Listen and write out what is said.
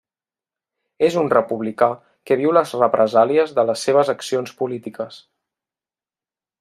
És un republicà que viu les represàlies de les seves accions polítiques.